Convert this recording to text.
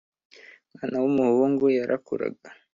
Umwana wu muhungu yarakuraga